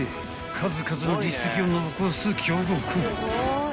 数々の実績を残す強豪校］